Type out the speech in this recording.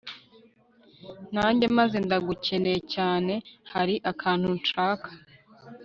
nanjye maze ndagukeneye cyane hari akantu nshaka